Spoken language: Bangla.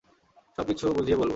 সবকিছু বুঝিয়ে বলব।